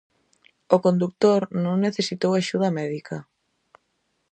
O condutor non necesitou axuda médica.